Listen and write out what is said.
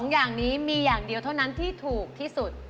อย่างนี้มีอย่างเดียวเท่านั้นที่ถูกที่สุด